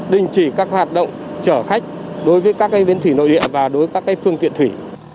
đình chỉ các hoạt động chở khách đối với các bến thủy nội địa và đối với các phương tiện thủy